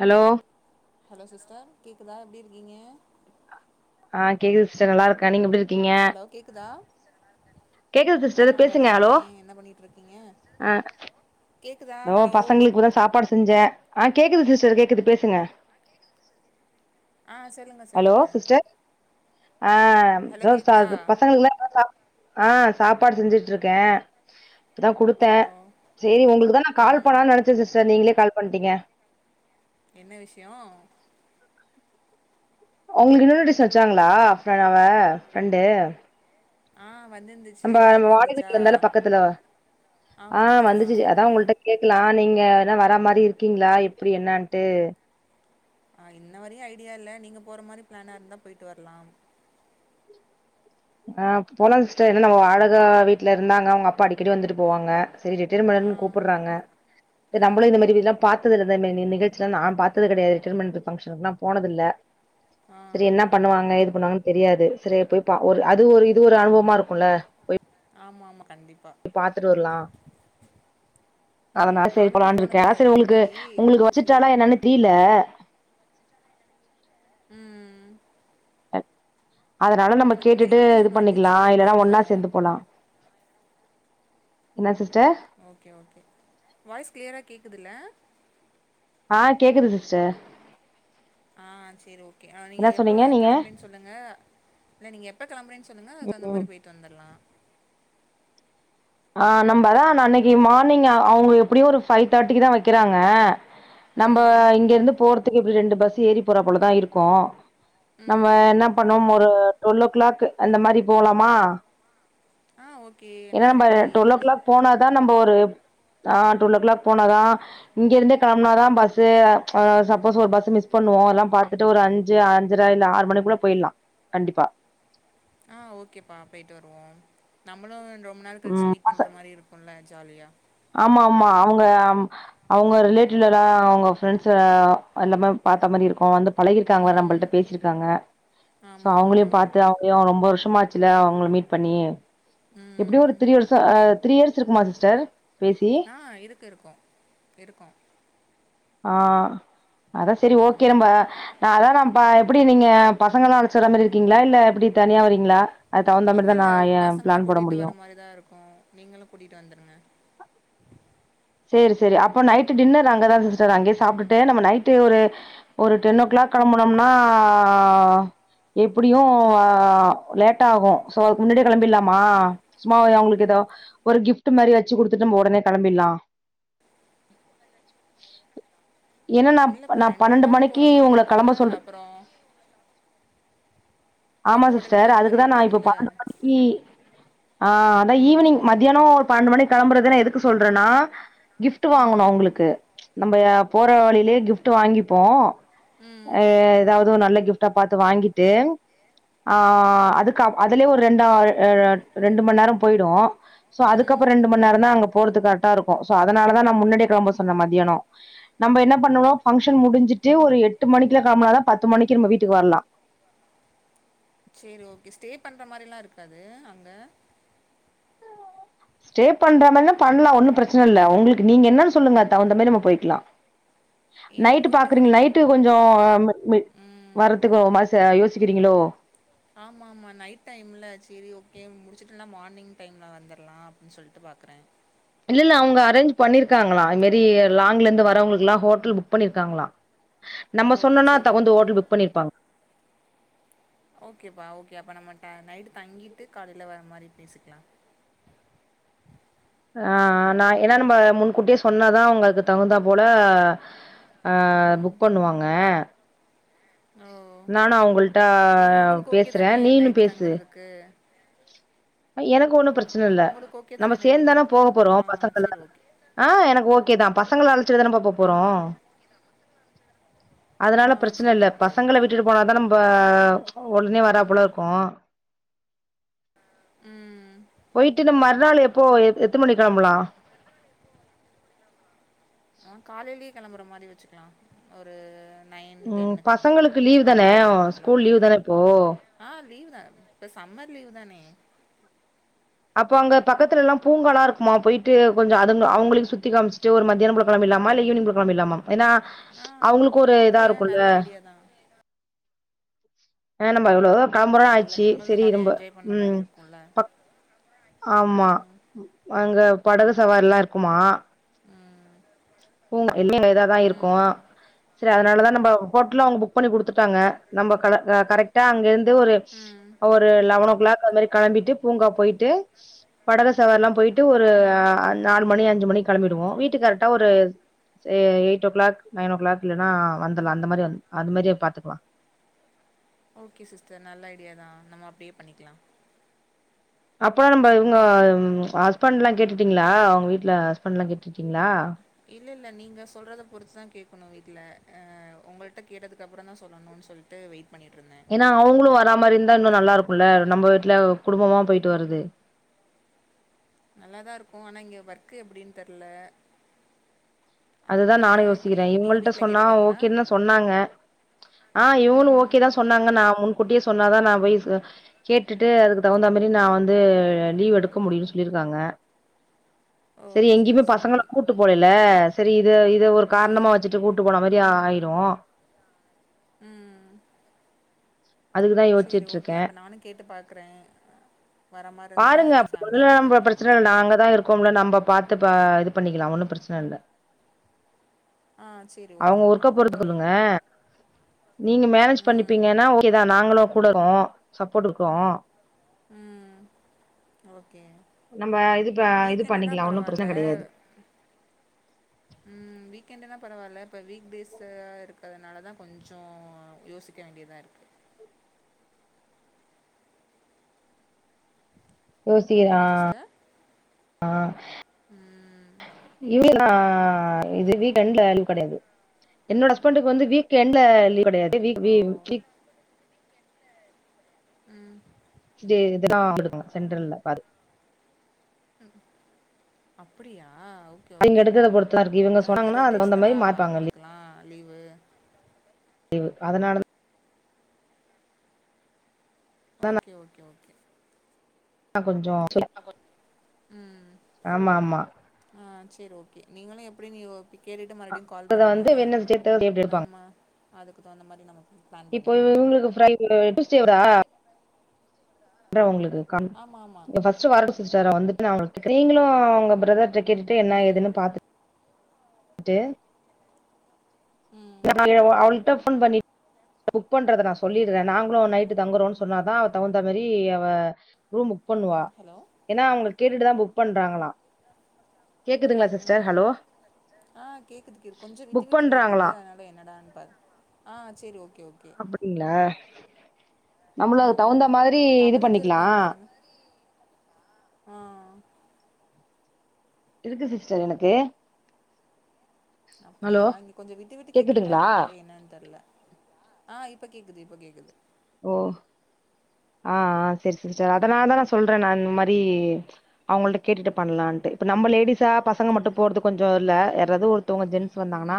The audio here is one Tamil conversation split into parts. ஹலோ ஹலோ சிஸ்டர் கேக்குதா எப்டி இருக்கீங்க ஆ கேக்குது சி்ஸ்டர் நல்லா இருக்கே நீங்க எப்டி இரு ஹலோ கேக்குதா கேக்குது ஆ சிஸ்டர் நல்லா பேசுங்க ஹலோ இருக்கேன் என்ன பண்ணிகிட்டு இருக்கீங்க ஆ கேக்குதா தோ ஹலோ பசங்களுக்கு இப்பதா சாப்பாடு ஸ் செஞ்ச ஆ கேக்குது சிஸ்டர் கேக்குது பேசுங்க ஆ சொல்லுங்க ஹலோ சொல்லுங்க சிஸ்டர் ஆ ஹலோ தோ கேக்குதா சாப் பசங்களுக்குல்லா சா ஆ சாப்பாடு செஞ்சுகிட் இருக்கே இப்பதா ஓ குடுத்தே செரி உங்க்ளுக்குதா நா கால் ம் பண்ணலான் நனச்சே சிஸ்டர் நீங்களே கால் பண்ட்டீங்க என்ன விஷியோ உங்களுக்கு இன்விடேஷன் வெச்சாங்களா [unintelligible] ஃப்ரெண்டு ஆ வந்திருந்து நம்ப மாடிவீட்ல இருந்ததான பக்கத்துல ஆ ஆமா ஆமா வந்துச்சு அதா உங்குள்ட்ட கேக்கலா நீங்க என்ன வரா மாரி இருக்கீங்களா எப்டி என்னன்ட்டு நா இன்னவரயு ஐடியா இல்ல நீங்க போற மாரி ப்ளானா இருந்தா போய்ட்டு வர்லாம் ஆ போலா சிஸ்டர் என்ன நம்ம வாடக வீட்ல இருந்தாங்க அவங்க அப்பா அடிக்கடி வந்துட்டு போவாங்க செரி ரிட்டர் ஆ பனு கூப்பட்றாங்க நம்ளு ம் இந்த மாரிவில்லா பாத்தது இ நீ நிகழ்ச்சிலா நா பாத்தது கெடையாது ரிட்டர் மென்ட் பங்க்ஷனுக்லா போனதில்ல ஆ சரி என்ன பண்ணுவாங்க ஏது பண்ணுவாங்கன்னு தெரியாது செரி போய் ஒரு அது ஒரு இது ஒரு அனுபவமா இருக்குல்ல ஆமா ஆமா கண்டிப் பாத்துட்டு வர்லா ம் அதனால செரி நானுமே போலாண்டு இருக்கே போனதில்ல செரி இதுக்கு உங்களுக்கு முன்னாடி உங்களுக்கு சேரி வச்சுட்டாலா என்னன்னு த்ரில ம் ம் ம் அதனால நம்ம எனக்கு மெ கேட்டுட்டு இது இன்விடேஷன் வந்துச்சு பண்ணிக்லாம இல்லன்னா போயிட்டு ஒன்னா வருவோம் சேந்து போலா என்ன சிஸ்டர் ஓகே ஓகே வாய்ஸ் கிளீயரா கேட்குதுல ஆ கேக்குது சிஸ்டர் ஆ சேரி ஓகே நீங்க என்ன எப்ப சொன்னீங்க நீங்க? கெளம்புறீங் சொல்லுங்க இல்ல நீங்க எப்ப கெளம்புறேன்னு சொல்லுங்க அதுக்கு தகுந்த ம். மாரி போயிட்டு வந்தர்லா ஆ நம்ப அதா அன்னக்கி மார்னிங் அவுங்க எப்டியு ஒரு ஃபைவ் தேர்ட்டிக்கு தா வக்கிறாங்க நம்ம ம் இங்கருந்து போறதுக்கு எப்டி ரெண்டு பஸ் ஏறி போற போலதா இருக்கு நம்ம ம் என்ன பண்வோ ஒரு டுவெல்லோ ஓ கிளாக் அந்த மாரி போலாமா ஆ ஓகே நா ரெடி நீ போனாதா நம்ம ஒரு ஆ டுவெல் ஓ கிளாக் போனாதா இங்க இருந்தே கெளம்பனாதா பஸ்ஸு சப்போஸ் ஒரு பஸ் மிஸ் பண்ணுவோ எல்லா பாத்துட் ஒரு அஞ்சு அஞ்சர இல்ல ஆறு மணிக்குள்ள போயிலா கண்டிப்பா ஆ ஓகேப்பா போய்ட்டு வருவோ நம்மளு ரொம்ப நாள் கழிச்சு ம் மீட் பச பண்ற மாரி இருக் ல்ல ஜாலியா ஆமா ஆமா அவங்க அவங்க ரிலேட்டிவ்ல எல்லா அவங்க ஃப்ரெண்ட்ஸ் எல்லாமே பாத்த மாரி இருக்கு வந்து பழகியிருக்காங்கள ம் நம்மள்ட்ட பேசியிருக்காங்க சோ ஆமா ஆமா அவங்களையு பாத்து ட்டு அவுங்ளியு ரொம்ப வருஷமா ஆச்சுல அவுங்கள மீட் பண்ணி எப்டியோரு ம் த்ரி வருஷோ த்ரீ இயர்ஸ் இருக்குமா சிஸ்டர் பேசி ஆ இருக்கு இருக்கு இருக்கு ஆ அதா சரி ஓ கே ம் ரம்ப அதாதா ப்பா எப்டி நீங்க பசங்களல்லா அழைச்சுற மேரி இருக்கீங்களா இல்ல எப்டி தனியா வரீங்ளா இல்லல்ல பசங்கள கூட்டிட்டு வர மாரி தா இருக்கு நீங்களு கூட்டிட்டு வந்துருங்க சேரி சேரி அப்போ நைட் டின்னர் அங்கதா சிஸ்டர் அங்கேயே சாப்டுட்டு நம்ம நைட்டு ஒரு ஒரு டென் ஓ கிளாக் கெளம்புனம்னா எப்டியு லேட்டாகு சோ அதுக்கு முன்னாடியே கெளம்பிர்லாமா ம் சும்மாவ் அவங்களுக்கு எதோ ஒரு கிஃப்ட் மாரி வச்சுக்குடுத்துட்டு நம்ம ஒடனே கெளம்பிட்லா ஏன்னா நா இல்லப்பா நா ரெண்டு மண் பன்னெண்டு நேரம் மணிக்கு போற மாரி உங்கள கெளம்ப இருக்குல்ல சொல் அப்புறோ ஆமா போயிட்டு ஒடனே வர சிஸ்டர் மாரி அதுக்குதா நா இப்ப இருக்காதுல்ல பன்ணென்டு மணிக்கி ஆ அதா ம் ஈவினிங் ம மதியானோ ஒரு பன்னெண்டு மணி கெளம்புறதுன் எதுக்கு சொல்றன்னா கிஃப்ட் ம் வாங்கணு அவுங்களுக்கு நம்ம போற வழியிலேயே கிஃப்ட் வாங்கிப்போ ம் அ எதாவது நல்ல கிஃப் ட்டா பாத்து வாங்கிட்டு ஆ அதுக்கு அதுலயே ஒரு ரெண்ட அ ரெண்டு மண் நேரோ போய்டூ சோ ம் அதுக்கப்றோ ரெண்டு மண்நேரோதா அங்க போறத்துகு கரெக்டா இருக்கு சோ அதனாலதா நா முன்னடியே கிளம்ப சொன்ன மதியானோ நம்ப என்ன பண்ணவோ ஃபங்க்ஷன் முடிஞ்சிட்டு ஒரு எட்டு மணிக்குல கெளம்பனா தா பத்து மணிக்கு நம்ம வீட்டுக்கு வர்லா செரி ஓக்கே ஸ்டே பண்ற மாரிலா இருக்காது அங்க ஸ்டே பண்ற மாரினா பண்லா ஒன்னு பிரச்சன இல்ல உங்களுக்கு நீங்க என்னன் சொல்லுங்க அதுக் தகுந்த மாரி நம்ம போய்க்லா ஏன்னா நைட்டு போயிட்டு பாக்குறீங்க ஒடனே நைட்டு கொஞ்சோ ம் வரதுக்கு ஒரு மாச யோசிக்கிறீங்களோ ஆமாமா நைட் டைம்ல செரி ஓக்கே முடிச்சிட்டுனா மார்னிங் டைம்ல வந்தற்லா அப்டின் சொல்ட்டு பாக்கற இல்ல இல்ல அவுங்க அரேஞ்ச் பண்ணிருக்காங்களா அது மேரி லாங்ல இந்து வறவங்களுக்குல்லா ஹோட்டல் புக் பண்ணிருக்காங்ளா ஓ நம்ம சொன்னோனா சேரி தகுந்து ஓகே ஹோட்டல் புக் பண்ணிருப்பாங் ஓக்கேப்பா ஓக்கே அப்போ நம்ம ட நைட்டு தங்கிட்டு காலைல வர மாரி பேசிக்கலா ஆ நா ஏனா நம்ப முன்கூட்டியே சொன்னாதா உங்களுக்கு தகுந்தா போல ஆ ம் புக் பண்ணுவாங்க ஓ நானு அவுங்கள்ட்ட பேசற நீனு பேசு கு எனக்கு ஓன்னு பிரச்சன இல்ல உங்களுக்கு ஓகே தானே நம்ம நைட்டு தங் சேந்தான போக போறோ ஆ பசங்கள்ள சேரி ஓகே ஆ எனக்கு ஓக்கே தா பசங்கள அழச்சிட்டுதான பா போ ஆ போறோ ஆ அதனால பிரச்சன சேரி இல்ல ஓகே பசங்கள ஓகே விட்டுட்டு போனாதா நம்ப ஒடனே வராப்புல இருக்கு ம் போயிட்டு நம் மறுநாள் எப்போ எ எத்து மணி கெளாம்பலா ஆ காலையிலயே கெளம்புற மாரி வச்சுக்கலா ஒரு நைன் ம் டென்னுக்குலா பசங்களுக்கு லீவ் தானே morning nine o'clock school leave தானே இப்போ ஆ லீவ் தா இப்ப சம்மர் லீவ் தானே அப்போ அங்க பக்கத்துல எல்லா பூங்காலா இருக்குமா போயிட்டு கொஞ்சோ அது அவுங்களுக்கு சுத்தி காமிச்ட்டு ஒரு மத்யான போல கெளம்பிர்லாமா இல்ல ஈவினிங் கெளம்பிர்லாமா ஏனா அவுங்களுக்கு ஒரு இதா இருக்குல்ல நா ஆ நம்ப எவ்ளவோ கெளம்புறோ ஆயச்சி நல்லதா அவளு செரி ஜாலியா இரும்ப என்ஜாய் பண்ண மாரி ம் இருக்குல்ல கப் ஆமா ம் அங்க படகு சவாரில்லா இருக்குமா ம் இல்லங்க எல்மே இதாதா இருக்கு ம் செரி அதனாலதா நம்ப ஹோட்டலு அவுங்க புக் பண்ணி குடுத்துட்டாங்க நம்ப கல வே கரெக்டா அங்க இருந்து ஒரு ம் ஒரு லெவனோ கிளாக் அது மாரி கெளம்பிட்டு பூங்கா போயிட்டு படகு சவாரில்லா போய்ட்டு ஒரு ம் நாலு மணி அஞ்சி மணி கெளம்பிடுவோ வீட்டுக்கு கரெக்டா ஒரு அ eight o'clock nine o'clock இல்லனா வந்துர்லா அந்த மாரி வந் அந்த மாரியே பாத்துக்கலா ஓகே சிஸ்டர் நல்ல ஐடியா தா நம்போ அப்டியே பண்ணிக்கலா அப்போற நம்ப இவுங்க ஹஸ்பண்ட்லா கேட்டுட்டீங்ளா அவுங்க வீட்ல ஹஸ்பண்ட்லா கேட்டுட்டீங்ளா இல்ல இல்ல நீங்க சொல்றத பொறுத்துதா கேக்கனு வீட்ல அ உங்கள்ட்ட கேட்டதுக்கு அப்புறோ தா சொல்லனுன் சொல்ட்டு வெயிட் பண்ணிட்ருந்தே அவுங்களு வரா மாரி இருந்தா இன்னு நல்லா இருக்குல்ல நம்ப வீட்ல குடும்பமா போயிட்டு வரது நல்லாதா இருக்கு ஆனா இங்க வர்க் எப்டின் தெர்ல அதுதா அங்க நானு எப்படி யோச்சிக்கிற நீங்க இவங்கள்ட்ட வீட்ல சொன்னா கேட்டுட்டீங்களா? ஓக்கேன் தா சொன்னாங்க ஆ இவங்களு ம். ஓகே தா சொன்னாங்க நா முன்கூட்டியே சொன்னாதா நா போய் சே கேட்டுட்டு அதுக்கு தகுந்த மாரி நா வந்து லீவ் எடுக்க முடியு சொல்லிருக்காங்க ஓ! செரி சரி, எங்கியுமே சரி. பசங்கள கூப் கூட்டு போல இல்ல செரி இது இத ஒரு காரணமா ம். வச்சிட்டு கூட்டு போன மாரி ஆயிரு ம் அதுக்கு தான் சேரி ஓகே யோசிச்சுட்டுருக்கேன். அப்ப நானு கேட்டு பாக்கறே பாருங்க அ [inaudible] நம்ப வந்துரலாம். பிரச்சனல்ல நாங்கதா இருக் கோம்ல நம்ப பாத்து ப இது பண்ணிக்கலா ஒன்னு பிரச்சனில்ல ஆ சரி அவுங்க ஓகேப்பா ஒர்க்க போறத்து ஓகே. சொல்லுங்க நீங்க மேனேஜ் ம். பண்ணிப்பீங்கன்னா ஓகேதா நாங்களு கூட இருக்கோ சப்போட் இருக்கு ம் ஓகே நம்ம இது ப இது வீக்கெண்டுனா பண்ணிக்கலாம். ஒண்ணும் பரவால்ல பிரச்சனை கெடையாது. ம் வீக்கெண்டுனா பரவால்ல இப்ப வீக் டேஸா இருக்கறதுனால தா கொஞ்சோ யோசிக் க வேண்டியதா இருக்கு யோசி ஆ ஹலோ சிஸ்டர் அ ம் இல்ல [inaudible] இது வீக் எண்ட்ல லீவ் கெடையாது என்னோட ஹஸ்பெண்டுக்கு வந்து வீக் எண்ட்ல லீவ் கெடையாது வீக் ஓ வீ வீக் ம் இது இதுதா [inaudible] சென்டர்ல பாது அப்பிடியா ஓ கே இங்க ஓகே எடுக்கறத பொறுத்துதா இருக்கு இவங்க அது சொன்னாங்கன்னா அதுக்கு தகுந்த மாரி ரொட்டேஷ்னலாவா மாத்துவாங்க லீவு அவ்ங்களுக்கெல்லா லீவு லீவு அதனால தா ஓகே ஓகே ஓகே ஆ கொஞ்சோ சுல [inaudible] ம் ஆமா ஆமா ஆ செரி ஓகே நீங்களு எப்டினு ஒப்பி கேட்டுட்டு அ மறுபடியு கால் அத பண்ணுங்க வந்து வெட்னஸ்டே தேர்ஸ்டே இப்டி எடுப்பாங்க நம்ம அதுக்கு தகுந்த மாரி நம்ம பிளான் இப்போ பண்ணிக்கலாம் இவுங்ளுக்கு ஃப்ரைடே டூஸ்டேவா [inaudible] உங்ளுக்கு கன் ஆமாம் ஆமாம் இல்ல ஃபஸ்ட்டு வரட்டு சிஸ்டர் வந்துட்டு அவுங்க கிட்ட நீங்களு உங்க பிரதர்ட்ட கேட்டுட்டு என்னா ம் ஏதுனு பாத்துட் டு ம் [inaudible] அவள்ட்ட ஃபோன் பண்ணி புக் பண்றத நா சொல்லீட்றே நாங்களு நைட்டு தங்குறோன் சொன்னாதா அவ தகுந்த மாரி அவ ரூம் புக் பண்ணுவா ம் ஹலோ ஏனா அவுங்க கேட்டுட்டுதா புக் பண்றாங்களா கேக்குதுங்களா ம் சிஸ்டர் ம் ஹலோ ஆ கேக்குது கேள் கொஞ்ச விட்டு புக் விட்டு கேக்குது பண்றாங்களா அன்னால என்னடான் பாத் ஆ செரி ஓகே ஓ அப்படிங்ளா நம்மளு அதுக்கு தகுந்த ம் மாதிரி இது டவர் எதுவும் பண்ணிக்கலா இருக்கான்னு பாருங்க ஆ இருக்கு சிஸ்டர் எனக்கு ஹலோ அப்படியா இங்க கொஞ்சோ விட்டு விட்டு கேக்கற கேக்குதுங்களா மார்ருக்கு என்னன் தெர்ல ஆ இப்ப கேக்குது இப்ப கேக்குது ஓ ஆ ஆ செரி சிஸ்டர் அதனால் தா நா சொல்றே நா இந்த மாரி அவுங்கள்ட்ட கேட்டுட்டு பண்லான்ட்டு இப்ப நம்ம லேடிஸா பசங்க மட்டு போறது கொஞ்சோ இல்ல யாராது ஒர் த்தவுங்க ஜென்ஸ் வந்தாங்கன்னா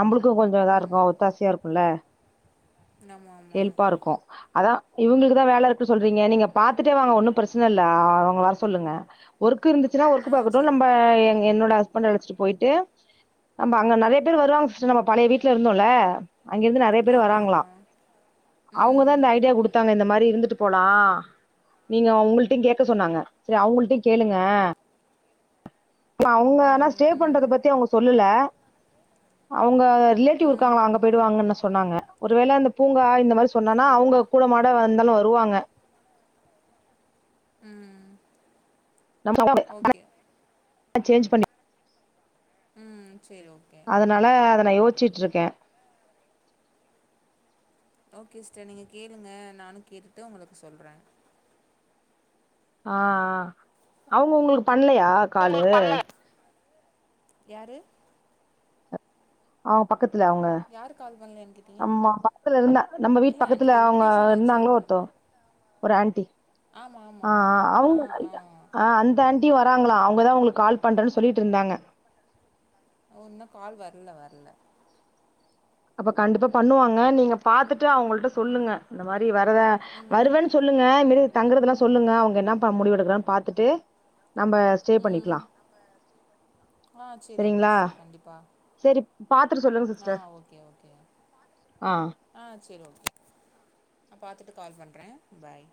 நம்பளுக்கு கொஞ்சோ இதா இருக்கு ஒத்தாசியா இருக்குல்ல நம்ம ஆமா பா இருக்கு அதா இவுங்ளுக்குதா வேல இருக்கு சொல்றீங்க நீங்க பாத்துட்டே வாங்க ஒன்னு பிரச்சன இல்ல அவுங்க வர சொல்லுங்க ஒர்க்கு இருந்துச்சுன்னா ஆ ஒர்க்கு பாக்கட்டு சரி நம்ப ஓகே எங் என்னோட ஹஸ் பண்ட அழச்சிட்டு போய்ட்டு நம்ம அங்க நெறைய பேரு வருவாங்க சிஸ்டர் நம்ம பழைய வீட்ல இருந்தோல்ல அங்கேருந்து நறைய பேர் ஆமா வராங்ளா ஆமா அவுங்கதா ம் இந்த ஐடியா குடுத்தாங்க இந்த மாரி இருந்துட்டு போலா நீங்க உங்கள்ட்டயு கேக்க சொன்னாங்க சரி அவங்கள்ட்டயு கேளுங்க அழுங்க ஆனா ம் ஸ்டே ம் பண்றத பத்தி அவுங்க சொல்லலா அவுங்க ரிலேட்டிவ் ம் இருக்காங்ளா அங்க பொயிடுவாங்கன்னு சொன்னாங்க ஒரு வேள இந்த பூங்கா இந்த மாரி சொன்னனா ஓ அவுங்க கூடமாட வந்தாலு வருவாங்க ம் நம [unintelligible] ஓகே சேஞ் பண்ணி ம் சேரி ஓக்கே அதனால அத நா யோச்சிட்ருக்கே ஓக்கே சிஸ்டர் நீங்க கேளுங்க நானு கேட்டுட்டு உங்களுக்கு சொல்றே ஆ ஆ அவுங்க உங்களுக் யாரு அவுங்க பக்கத்துல அவுங்க யாரு கால் பண்ணலன்னு கேட்டீங்க அம்மா பக்கத்ல இருந்தா நம்ம வீட்டு இல்ல பக்கத்ல அன்னைக்கு அவுங்க இன்விடேஷன் இருந்தாங்ளோ வச்சாங்க ஒருத்தோ ஒரு ஆண்டி ஆமா ஆமா ஆ அ ஆ அவுங்க ஆ அ அந்த ஆண் டி வராங்ளா அவுங்கதா உங்ளுக்கு கால் பண்றேன்னு சொல்லிட்டு இருந்தாங்க ஓ இன்னு கால் வர்ல வர்ல அப்ப கண்டிப்பா பண்ணுவாங்க நீங்க பாத்துட்டு அவங்கள்ட சொல்லுங்க இந்த மாரி வரத ம் வருவேன் சொ ல்லுங்க இதுமேரி தங்குறதெல்லா சொல்லுங்க அவுங்க என்ன முடிவு எடுக்றாங்கனு பாத்துட்டு நம்ம ஸ்டே ம் பண்ணிக்லா ஆ செரி ஓகோ சிஸ்டர் கண்டிப்பா சரி பாத்துட்டு சொல்லுங்க ஆ சிஸ்டர் ஓகே ஓக்கே ஓக்கே ஆ ஆ செரி ஓக்கே நா பாத்துட்டு கால் பண்றே பாய்